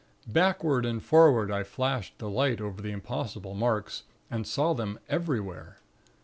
"Backward and forward I flashed the light over the impossible marks and saw them everywhere.